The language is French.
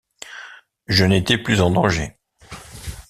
je n'étais plus en danger.